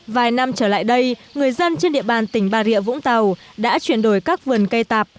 vài năm trở lại đây người dân trên địa bàn tỉnh bà rịa vũng tàu đã chuyển đổi các vườn cây tạp